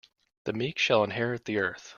The meek shall inherit the earth.